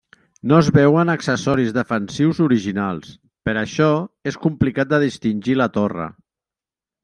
No es veuen accessoris defensius originals, per això és complicat de distingir la torre.